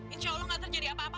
insya allah gak terjadi apa apa